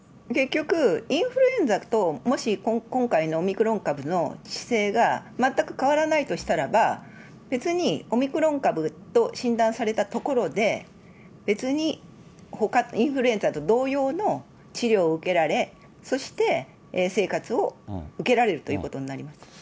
結局、インフルエンザと、もし今回のオミクロン株の致死性が全く変わらないとしたらば、別にオミクロン株と診断されたところで、別にインフルエンザと同様の治療を受けられ、そして生活を受けられるということになります。